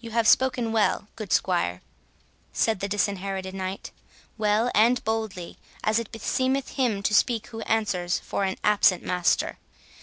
"You have spoken well, good squire," said the Disinherited Knight, "well and boldly, as it beseemeth him to speak who answers for an absent master.